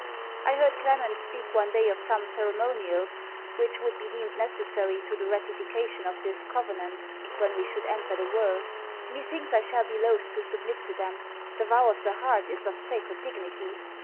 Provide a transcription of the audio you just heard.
I heard Clement speak one day of some ceremonials which would be deemed necessary to the ratification of this covenant, when we should enter the world. Methinks I shall be loath to submit to them. The vow of the heart is of sacred dignity.